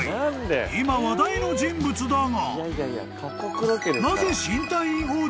［今話題の人物だが］